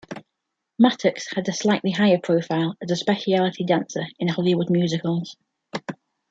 Mattox had a higher profile as a specialty dancer in Hollywood musicals.